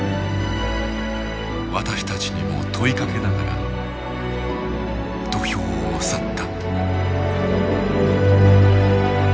私たちにも問いかけながら土俵を去った。